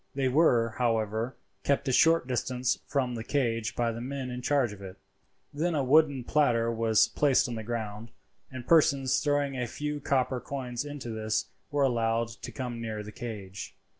They were, however, kept a short distance from the cage by the men in charge of it. Then a wooden platter was placed on the ground, and persons throwing a few copper coins into this were allowed to come near the cage.